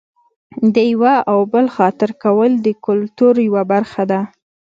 د یوه او بل خاطر کول د کلتور یوه برخه ده.